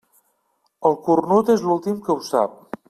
El cornut és l'últim que ho sap.